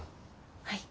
はい。